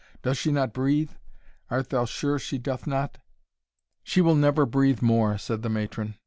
Does she not breathe? Art thou sure she doth not?" "She will never breathe more," said the matron.